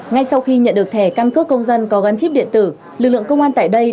ngay sau khi nhận được thẻ căn cước công dân có gắn chip điện tử lực lượng công an tại đây